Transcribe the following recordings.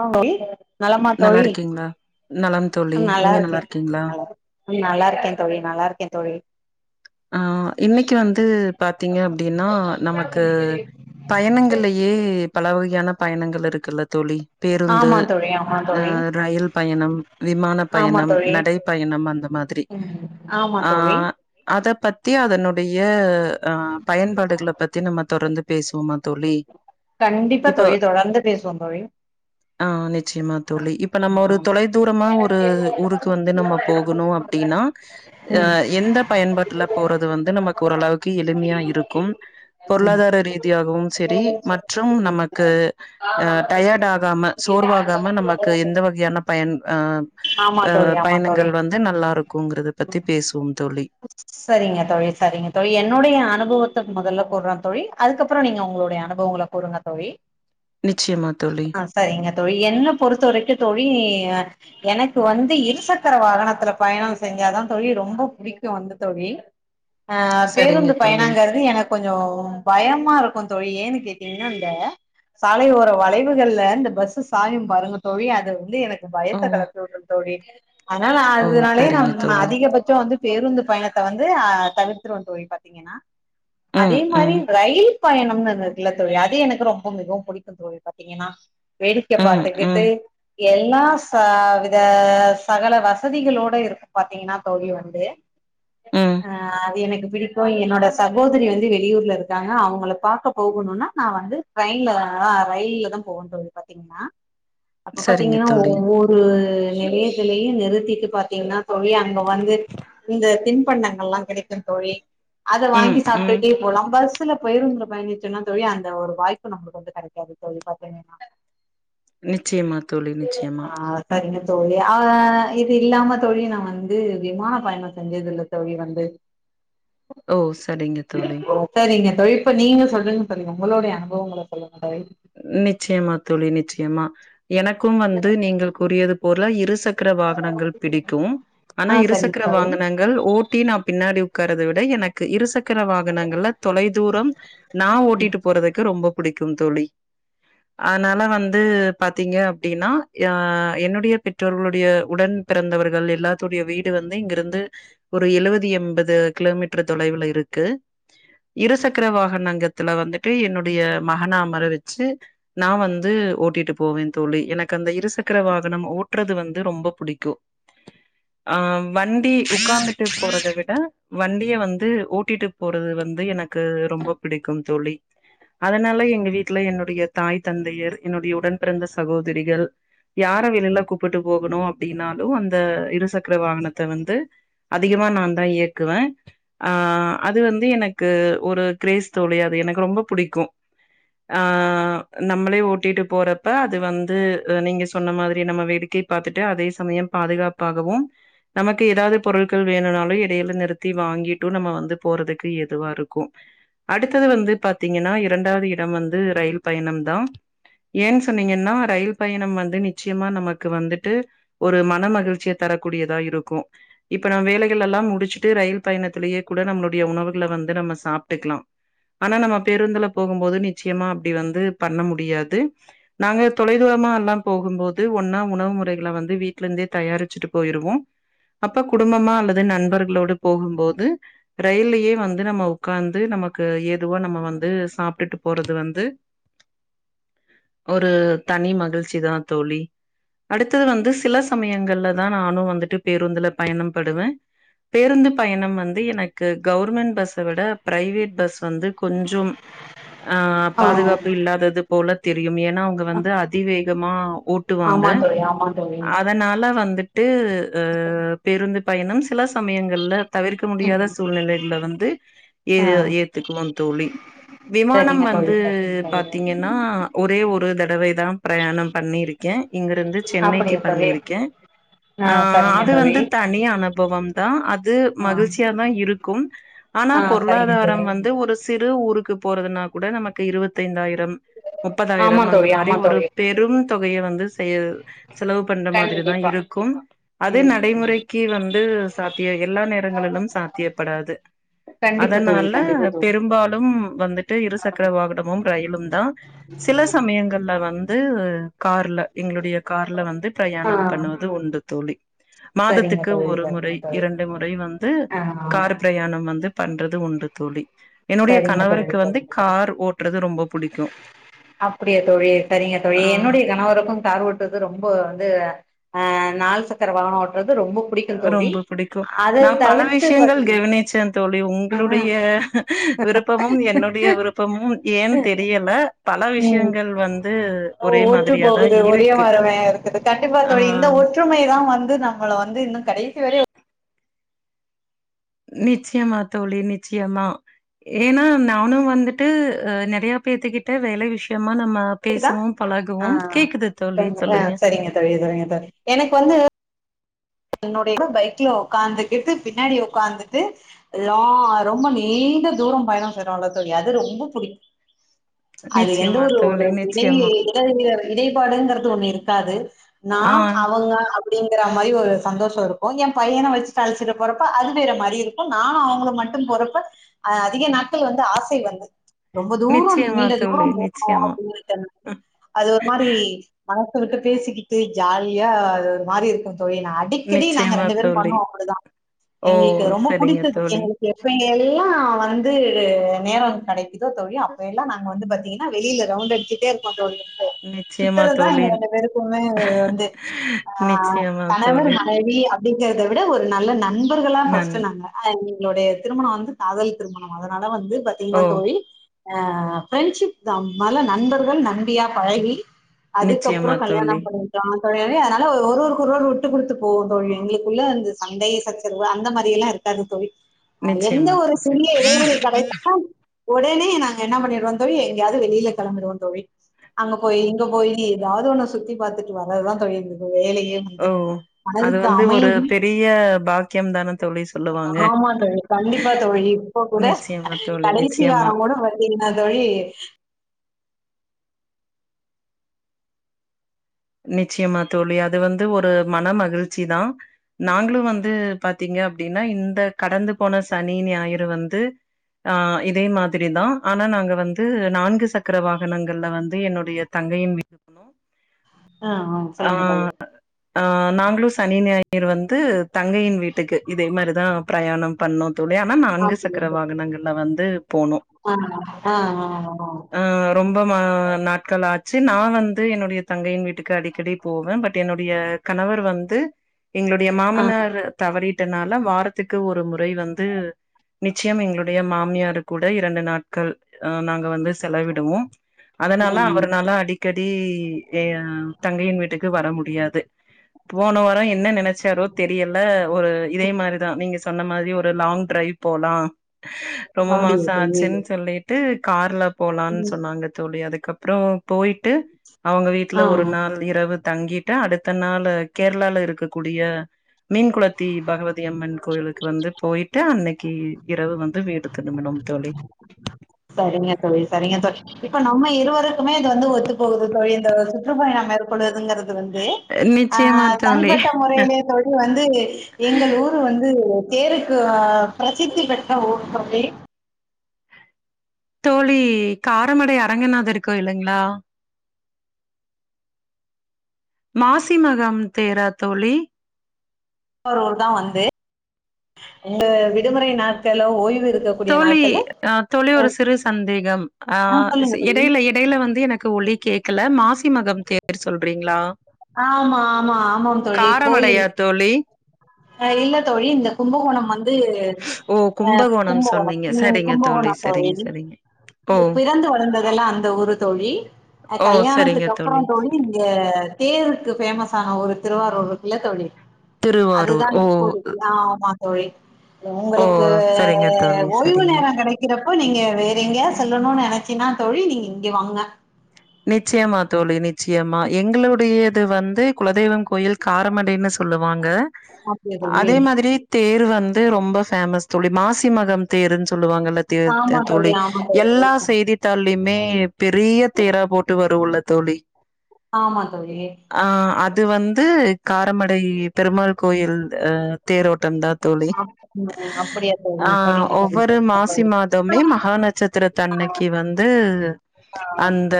ஆ தோழி நலமா நல்லா தோழி இருக்கீங்களா நலம் தோழி நல்லா நீங்க இருக்கேன் இருக்கீங்களா நல்லா இருக்கேன் தோழி நல்லா இருக்கேன் தோழி ஆ இன்னைக்கு வந்து பாத்தீங்க அப்டின்னா நமக்கு பயணங்கள்லயே பல வகையான பயணங்கள் இருக்குல்ல தோழி பேருந்து ஆமா தோழி ஆமா ஆ தோழி ரயில் பயணம் விமான ஆமா பயணம் தோழி நடை பயணம் அந்த மாதிரி ம் ஆமா ஆ தோழி அத பத்தி அதனுடைய அ பயன்பாடுகளை பத்தி நம்ம தொடர்ந்து பேசுவோமா தோழி கண்டிப்பா இப்போ தோழி தொடர்ந்து பேசுவோம் தோழி ஆ நிச்சயமா தோழி இப்ப நம்ம ஒரு ஆ தொலை தூரமா ஒரு ஊருக்கு வந்து நம்ம போகணும் அப்டின்னா ஆ ம் எந்த பயன்பாட்டுல போறது வந்து நமக்கு ஓரளவுக்கு எளிமையா இருக்கும் ம் பொருளாதார ரீதியாகவும் செரி மற்றும் ம் நமக்கு அ டயர்ட் ஆகாம சோர்வாகாம நமக்கு எந்த வகையான பயன் அ ஆமா அ தோழி ஆமா தோழி பயணங்கள் வந்து நல்லா இருக்கும்ங்கறத பத்தி பேசுவோம் தோழி சரிங்க தோழி சரிங்க தோழி என்னோடைய அனுபவத்த மொதல்ல கூறே தோழி அதுக்கப்புறோ நீங்க உங்ளுடைய அனுபவங்கள கூறுங்க தோழி நிச்சயமா தோழி அ சரிங்க தோழி என்ன பொறுத்த வரைக்கு தோழி எனக்கு வந்து இருசக்கர வாகனத்துல பயணோ செஞ்சாதா தோழி ரொம்ப புடிக் கு வந்து தோழி ஆ சரிங்க பேருந்து தோழி. பயணங்றது எனக் கொஞ்சோ பயமாருக்கு தோழி ஏன்னு கேட்டீங்ன்னா இந்த சாலை ஓர வளைவுகள்ல இந்த பஸ்சு சாயு பாருங்க தோழி அது வந்து எனக் ஓ பயத்த கெளப்பிவிட்ரு தோழி அன்னால ஓ அதுனாலயே சரிங்க நம்ம தோழி. அதிகபட்சோ வந்து பேருந்து பயணத்த வந்து ஆ தவிர்த்துருவோ தோழி பாத்தீங்ன்னா ம் அதே மாரி ம் ரயில் பயணம்னு ஒன்னு இருக்குல தோழி அது எனக்கு ரொம்ப மிகவு புடிக்கு தோழி பாத்தீங்கன்னா வேடிக்க ம் பாத்துக்கிட்டு ம் எல்லா ச வித சகல வசதிகளோட இருக்கு பாத்தீங்கன்னா தோழி வந்து ம் ஆ அது எனக்கு பிடிக் கு என்னோட சகோதரி வந்து வெளியூர்ல இருக்காங்க அவுங்கள பாக்க போகணுனா நா வந்து ட்ரெயின்ல ஆ ரயில்ல தா போவோ தோழி பாத்தீங்கன்னா அப்ப சரிங்க பாத்தீங்கன்னா தோழி. ஒவ்வொரு நிலையங்கல்லயு நிறுத்திட்டு பாத்தீங்ன்னா தோழி அங்க வந்து இந்த தின்பண்டங்கள்லா கிடைக்கு தோழி அத ம் வாங்கி ம் சாப்டுட்டே போலா பஸ் சுல பேருந்துல பயணிச்சோன்னா தோழி அந்த ஒரு வாய்ப்பு நம்ப்ளுக்கு வந்து கெடைக்காது தோழி பாத்தீங்ன்னா நிச்சயமா தோழி நிச்சயமா ஆ சரிங்க தோழி ஆ இது இல்லாம தோழி நா வந்து விமா பயணோ செஞ்சதில்ல தோழி வந்து ஓ சரிங்க தோழி செரிங்க தோழி இப்ப நீங்க சொல்லுங்க தோழி ஒங்களுடைய அனுபவங்கள சொல்லுங்க தோழி நிச்சயமா தோழி‌ நிச்சயமா எனக்கும் வந்து நீங்கள் கூறியது போல இருசக் க்ர வாகனங்கள் பிடிக்கு ஆனா ஆ சரிங்க இருசக்ர தோழி வாகனங் கள் ஓட்டி நா பின்னாடி உக்காரத விட எனக்கு இருசக்கர வாகனங்கள்ல தொலை தூரம் நா ஓட்டிட்டு போறதுக்கு ரொம்ப புடிக்கும் தோழி அனால வந்து பாத்தீங்க அப்டின்னா அ என்னுடைய பெற்றோர்களுடைய உடன் பிறந்தவர்கள் எல்லாத்துடைய வீடு வந்து இங்ருந்து ஒரு எழுவது எம்பது கிலோமீட்ரு தொலைவுல இருக்கு இருசக்கர வாகனங்கத்துல வந்துட்டு என்னுடைய மகன அமர வச்சு நா வந்து ஓட்டிட்டு போவே தோழி எனக்கு அந்த இருசக்ர வாகனம் ஓட்றது வந்து ரொம்ப புடிக்கு ஆ வண்டி உக்காந்துட்டு போறத விட வண்டிய வந்து ஓட்டிட்டு போறது வந்து எனக்கு ரொம்ப பிடிக்கும் தோழி அதனால எங்க வீட் ல என்னுடைய தாய் தந்தையர் என்னுடைய உடன்‌ பிறந்த சகோதரிகள் யார வெளில கூப்புட்டு போகணு அப்டின்னாலு அந்த இருசக்ர வாகனத்த வந்து அதிகமா நா தா இயக்குவே ஆ அது வந்து எனக்கு ஒரு கிரேஸ் தோழி அது எனக்கு ரொம்ப புடிக்கு ஆ நம்மளே ஓட்டிட்டு போறப்ப அது வந்து நீங்க சொன்ன மாதிரி நம்ம வேடிக்கை பாத்துட்டு அதே சமயம் பாதுகாப்பாகவு நமக்கு ஏதாவது பொருட்கள் வேணுனாலு எடைல நிறுத்தி வாங்கிட்டு நம்ம வந்து போறதுக்கு ஏதுவா இருக்கு அடுத்தது வந்து பாத்தீங்கன்னா இரண்டாவது இடம் வந்து ரயில் பயணம் தா ஏன் சொன்னீங்கன்னா ரயில் பயணம் வந்து நிச்சயமா நமக்கு வந்துட்டு ஒரு மனமகிழ்ச்சிய தர கூடியதா இருக்கும் இப்ப நம்ம வேலைகள் எல்லாம் முடிச்சுட்டு ரயில் பயணத்திலேயே கூட நம்மளுடைய உணவுகள வந்து நம்ம சாப்டுக்கலாம் ஆனா நம்ம பேருந்துல போகும் போது நிச்சயமா அப்டி வந்து பண்ண முடியாது நாங்க தொலைதூரமா எல்லாம் போகும்போது ஒன்னா உணவு முறைகள வந்து வீட்டுல இருந்தே தயாரிச்சிட்டு போயிருவோம் அப்ப குடும்பமா அல்லது நண்பர்களோடு போகும்போது ரயில்லயே வந்து நம்ம உக்காந்து நமக்கு ஏதுவா நம்ம வந்து சாப்டுட்டு போறது வந்து ஒரு தனி மகிழ்ச்சி தா தோழி அடுத்தது வந்து சில சமயங்கள்ல தான் நானும் வந்துட்டு பேருந்துல பயணம் படுவ பேருந்து பயணம் வந்து எனக்கு கவர்மெண்ட் பஸ்ஸ விட பிரைவேட் பஸ் வந்து கொஞ்சம் ஆ பாதுகாப்பு ஆ இல்லாதது போல தெரியும் ஏனா அவங்க வந்து அதிவேகமா ஓட் ட்டுவாங்க ஆமா தோழி ஆமா தோழி அதனால வந்துட்டு ஆ பேருந்து பயணம் சில சமயங்கல தவிர்க்க ம் முடியாத சூழ்நிலைகள்ல வந்து ஏ ஆ ஏத்துக்குவோம் தோழி விமானம் சரிங்க தோழி வந்து சரிங்க தோழி பாத்தீங்கன்னா ஒரே ஒரு தடவை தான் பிரயாணம் பண்ணிருக்க இங்கிருந்து சென்னைக்கு அப்படியா தோழி பண்ணியிருக்கேன் ஆ சரிங்க அது தோழி வந்து தனி அனுபவம் தான் அது ஆ மகிழ்ச்சியா தான் இருக்கும் ஆனா ஆ சரிங்க பொருளாதாரம் தோழி வந்து ஒரு சிறு ஊருக்கு போறதுனா கூட நமக்கு இருபத்தி ஐந்தாயிரம் ஆமா முப்பதாயிரம் அந்த தோழி மாரி ஆமா ஒரு தோழி பெரும் தொகைய வந்து செய் செலவு பண்ற மாதிரிதான் கண்டிப்பா இருக்கும் அதே ம் ம் நடைமுறைக்கு வந்து சாத்தியம் எல்லா நேரங்களிலும் சாத்தியப்படாது கண்டிப்பா தோழி அதனால கண்டிப்பா தோழி பெரும்பாலும் வந்துட்டு ஆ இருசக்கர வாகனமும் ரயிலும் தான் சில சம சமயங்கள்ல வந்து கார்ல எங்களுடைய கார்ல வந்து ஆ. பிரயாணம் பண்ணுவது து உண்டு தோழி சரிங்க மாதத்துக்கு தோழி ஒரு முறை சரிங்க தோழி இரண்டு முறை வந்து ஆ கார் பிரயாணம் வந்து பண்றது உண்டு தோழி என்னுடைய கணவருக் அப்டியா தோழி சரிங்க தோழி ஆ என்னுடைய கணவருக்கும் கார் ஓட்டுறது ரொம்ப வந்து அஹ நாள் சக்கர வாகனம் ஓட்டுறது ரொம்ப புடிக்கும் தோழி ரொம்ப புடிக்கும் அத நான் பல தவிர்த்து விஷயங்கள் கவனிச்ச தோழி பாத்தீங்கன்னா உங்களுடைய விருப்பமும் என்னுடைய விருப்பமும் ஏன் தெரியல பன ம் விஷயங்கள் வந்து ஒரே ஒற்று மாதிரியாதான் போகுது ஒரே இருக்கு ஆஹ் ற்றுமை தான் வந்து நம்மள வந்து இன்னும் கடைசி வர நிச்சயமா தோழி நிச்சயமா ஏனா நானும் வந்துட்டு ஆ நறைய பேத்துக்கிட்ட வேலை விஷயமா நம்ம கேக்குதா பேசுவோம் பழகுவோம் கேக்குது தோழி சொல்லுங்க செரிங்க செரிங்க சார் எனக்கு வந்து என்னனுடையட பைக்ல உகாந்துகிட்டு பின்னாடி உக்காந்துட்டு லா ரொம்ப நீண்ட தூரம் பயணம் செய்றோம் எல்லாத்தோழி அது ரொம்ப புடிக் அது எந்த நிச்சயமா ஒரு தோழி ஒரு இடை நிச்சயமா இ இடைப்பாடுங்கிறது ஒண்ணு இருக்காது ஆ நான் அவங்க அப்படிங்கற மாரி ஒரு சந்தோஷம் இருக்கும் என் பையன வச்சுட்டு அழிச்சட்டு போறப்ப அது வேற மாதிரி இருக்கும் நானும் அவங்க மட்டும் போறப்ப அ அதிக நாட்கள் வந்து ஆசை வந்த ரொம்ப தூரம் நிச்சயமா நீண்ட தோழி தூரம் போகணும் நிச்சயமா அப்படனுன அது ஒரு மாரி மனசவிட்டு பேசிக்கிட்டு ஜாலியா அது ஒரு மாரி இருக்கூ தோழி நான் அடி கெடி நாங்க நிச்சயமா ரெண்டு பேரு தோழி பண்ணோ அப்புடிதா ஓ எங்ளுக்கு ரொம்ப சரிங்க புடித்தது தோழி எங்ளுக் எப்ப எல்லலா வந்து நேரோ கெடைக்குதோ தோழி அப்ப எல்லா நாங்க வந்து பத் திங்னா வெளில ரவுண்ட் அடிச்சிட்டே இருப்போ தோழி நிச்சயமா சுத்துறத்தா தோழி எங்க ரெண்டு பேருக்குமே வந்து அ நிச்சயமா கணவர் தோழி மன் ஆ டி அப்டிங்கற்த விட ஒரு நல்ல நண்பர்களா நன் ஃபஸ்ட்டு நாங்க அ நிங்ளோடைய திருமண வந்து காதல் திருமணம் அதனால வந்து பத்தீங்ன்னா ஓ தோழி அ ஃப்ரெண்ட்ஷிப் தா நல்ல நண்பர்கள் நம்பியா பழகி அதுக்கப்றோ நிச்சயமா கல்யாணம் தோழி பண்ணிக்கிட்டோ தோழி [unintelligible] ஒருவருக் ஒருவர் உட்டு குடுத்து போ தோழி எங்ளுக்குள்ள அந்த சண்டயே சச்சரவு அந்த மாரி எல்லா இருக்காரு தோழி அ எந்த நிச்சயமா ஒரு தோழி சிறிய இடைவேளை கடைத்தால் ஒடனே நாங்க என்ன பண்ணிடுவோ தோழி எங்கயாவ்து வெளில களம்பிடுவோந்த தோழி அங்க போய் இங்க போயி எதாவ்து ஒன்னு சுத்தி பாத்துட்டு வர்றதுதா தோழி எங்ளுக்கு வேலயே ஓ அது வந்து ஒரு பெரிய பாக்யம் தான தோழி சொல்லுவாங்க ஆமா தோழி. கண்டிப்பா தோழி. நிச்சியமா தோழி நிச்சியமா வந்திங்னா தோழி நிச்சியம்மா தோழி அது வந்து ஒரு மன மகிழ்ச்சி தா நாங்ளு வந்து பாத்தீங்க அப்டினா இந்த கடந்து போன சனி ஞாயிறு வந்து ஆ இதே மாதுரிதா ஆனா நாங்க வந்து நான்கு சக்கர வாகனங்கள்ல வந்து என்னுடைய தங்கயின் வீ அ ஆ சொல்லுங்க தோழி ஆ நாங்ளு சனி ஞாயிர் வந்து தங்கையின் வீட்டுக்கு இதே மாரிதா பிரயாணம் பண்ணோ தோழி ஆனா ஆ நான்கு சக்கர வாகனங்கள்ல வந்து போனோ அஅ ஆ அஅஅ ரொம்ப மா நாட்கள் ஆச்சு நா வந்து என்னுடைய தங்கயின் வீட்டுக் அடிக்கடி போவ பட் என்னுடைய கணவர் வந்து எங்ளுடைய ஆ. மாமனார் தவறிட்டனால வாரத்துக்கு ஒரு முறை வந்து நிச்சயம் எங்ளுடைய மாமியாருக் கூட இரண்டு நாட்கள் நாங்க வந்து செலவிடுவோம் அதனால ம். அவருனால அடி கடி எ அ தங்கயின் வீட்டுக்கு வர முடியாது போன வாரோ என்ன நெனச்சாரோ தெரியல ஒரு இதே மாரிதா நீங்க சொன்ன மாரி ஒரு லாங் டிரைவ் போலா ரொம்ப மாச அப்படியா தோழி? ஆச்சுன் சொல்லிட் ட்டு கார்ல போலான் ம். சொன்னாங்க தோழி அதுக்கப்றோ போயிட் டு அவங்க வீட்ல ஆ. ஒரு நாள் இரவு தங்கிட்டு அடுத்த நாள் கேர்ளால இருக்கக்கூடிய மீன் குளத்தி பகவதிய அம்மன் கோயிலுக்கு வந்துட்டு போயிட்டு அன்னக்கி இரவு வந்து வீடு திரும்புனோம் தோழி சரிங்க தோழி சரிங்க தோழி இப்ப நம்ம இருவருக்குமே வந்து ஒத்துப்போகுது தோழி இந்த சுற்றுப்பயணம் மேற் கொடுதுங்குறது வந்து அ நிச்சயமா தோழி தனிப்பட்ட முறையிலே தோழி வந்து எங்கள் ஊர் வந்து தேருக்கு பிரசித்தி பெற்ற ஊர் தோழி தோழி காரமடை அறங்கனாதர் கோயிலுங்ளா மாசிமகம் தேரா தோழி ஒரு ஊர் தா வந்து உங்க விடுமுறை நாட் தோழி அ தோழி ஒரு சிறு சந்தேகம் அ ஆ சொல்லுங்க தோழி. எடையில இட் டேல வந்து எனக்கு ஒளி கேக்கல மாசி மகம் தேர் சொல்றீங்ளா ஆமா ஆமா ஆமாம் தோழி கோயில் தோழி அ இல்ல தோழி இந்த கும்பகோணம் வந் து ஓ அ கும்பகோணம் சொன்னீங்க சரிங்க ம்ஸகும்பகோணொ தோழி சரிங்க சரிங்க ஓ பிறந்து வளந்ததெல்லா அந்த ஊர் தோழி அ ஓ சரிங்க கல்யாணத்துக்கு அப்பறொ தோழி தேருக்கு ஃபேமஸ் ஆன ஊரு திருவாரூர் இருக்குல்ல தோழி திருவாரூர் அதுதான ஓ [inaudible] ஆமா தோழி ஓ உங்களுக்கு சரிங்க தோழி ஓய்வு சரிங்க நேரொ கெடைக் இருக்கிறப்போ நீங்க வேற கிறப்போ நீங்கெ வேற எங்கயாது சொல்லணுனு நெனைச்சிங்னா தோழி நீங்க இங்கெ வாங்க நிச்சயமா தோழி நிச்சயமா எங்களுடையது வந்து குலதெய்வம் கோயில் காரமடேனு சொல்லுவாங்க அப்படியா தோழி அதே மாதிரி தேரு வந்து ரொம்ப ஃபேமஸ் தோழி மாசிமகம் தேருன்னு சொல்லுவாங்கல்ல ஆமா தேர் தோழி ஆமா தோழி எல்லா செய்தி தாள்லயுமே பெரிய தேரா போட்டு வரு உள்ள தோழி ஆமா தோழி ஆ அது வந்து காரமடை பெருமாள் கோயில் அ தேரோட்டந் தா தோழி அப்ப- அப்படியா தோழி ஆ சரிங்க தோழி ஒவ்வொரு சரிங்க மாசி தோழி மாதமே மகா நட்சத்திர தன்னைக்கு வந்து ஆஹ் அந்த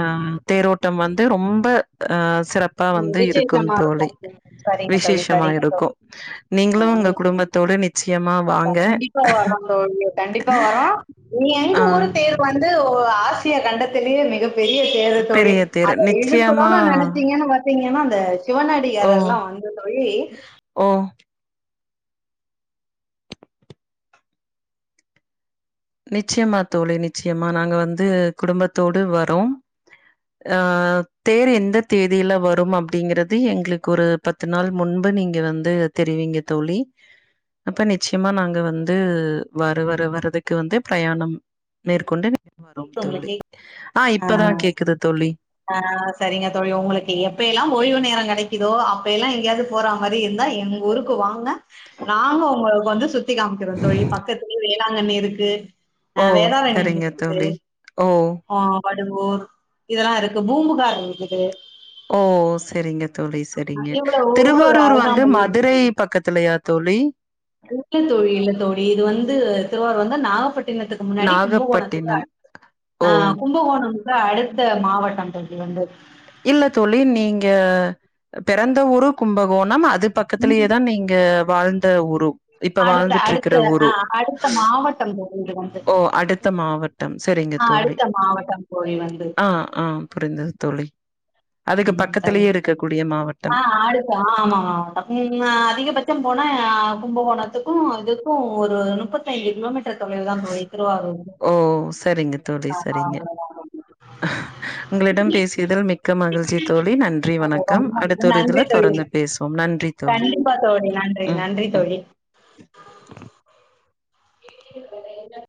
அ தேரோட்டம் வந்து ரொம்ப அ சிறப் ப்பா உம் வந்து இருக்கும் விசேஷமா தோழி இருக்கும் சரிங்க தோழி விசேஷமா சரிங்க இருக்கு தோழி நீங்களு உங்க உம் குடும்பத்தோடு நித் ச்சியமா கண்டிப்பா வரோ தோழி கண்டிப்பா வரோ நீங் எங்க ஆ ஊரு தேர் வந்து ஆசியா கண்டத்திலேயே மிகப்பெரிய தேரு தோழி பெரிய தேரு அத நிச்சயமா இழுக்கனுனு நெனைச்சீங்கன்னு பாத்திங்கன்னா அந்த ஓ சிவனடியார் எல்லாம் வந்து தோழி ஓ நிச்சியமா தோழி நிச்சியமா நாங்க வந்து குடும்பத்தோடு வரோம் ஆ தேர் எந்த தேதியில வரும் அப்டிங்கிறது எங்ளுக்கு ஒரு பத்து நாள் முன்பு நீங்க வந்து தெரிவீங்க தோழி அப்ப நிச்சயமா நாங்க வந்து வர வர வர்றதுக் க்கு வந்து பிரயாணம் மேற்கொண்டு வரு தோழி உங்களுக்கு ஆ இப்பதா கேக்குது தோழி அ செரிங்க தொழி உங்களுக்கு எப்ப எல்லா ஓய்வு நேரொ கெடக்கிதோ அப்ப எல்லா எங்கெயாது போற மாரி இருந்தா எங்க ஊருக்கு வாங்க நாங்க ஒங்களுக்கு வந்து சுத்தி காமிக்கிறோ தோழி பக்கத்துலே வேளாங்கண்ணி இருக்கு அ ஓ வேதாரண்யம் செரிங்க இருக்குது, தோழி ஓ ஆ படுவூர் இதெல்லா இருக்கு பூம்புகார் இருக்குது ஓ செரிங்க தோழி செரிங்க இவ்வளவு ஊரு திருவாரூர் வந்து அருகாமையில இருக்கு. மதுரை பக்கத்துலயா தோழி இல்லத்தோழி இல்லத்தோழி இது வந்து திருவாரூர் வந்த நாகப்பட் டினத்துக்கு முன்னாடி கும்பகோணத்துக்கு நாகப்பட்டினம் அடுத்து ஓ அ கும் கும்பகோணம்க்லா அடுத்த மாவட்டம் தோழி இது வந்து இல்ல தோழி நீங்கெ பெறந்த ஊரு கும்பகோணம் அது பக்கத்திலயே தா நீங்க வாழ்ந்த ஊரு இப்ப அடுத்த வாழ்ந்துட்டு இருக்கிற அடுத்த ஊரு அ அடுத்த மாவட்டம் தோழி [unintelligible] ஓ அடுத்த மாவட்டம் செரிங்க ஆ தோழி அடுத்த மாவட்டம் தோழி வந்து. ஆ ஆ புரிந்தது தோழி அதுக்கு ம் பக்கத்துலயே சரிங்க தோழி. இருக்கக்க கூடிய ஆ மாவட்டம் அடுத்த ஆமா ஆ அதிகபட்சம் போனா கும்பகோணத்துக்கும் இதுக்கு ஒரு முப்பத்த ஐ கிலோமீட்டர் தொலைவு தா திருவாருர் ஓ சரிங்க தோழி சரிங்க உங்களிடம் பேசியதில் மி க்க மகிழ்ச்சி தோழி நன்றி வணக்கம் ரொம்ப அடுத்த ஒரு நன்றி இதுல தோழி. தொடர்ந்து பேசுவோம் நன்றி தோழி சரி ம் நன்றி ம் தோழி என்ன